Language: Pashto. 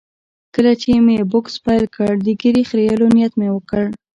کله چې مې بوکس پیل کړ، د ږیرې خریلو نیت مې وکړ.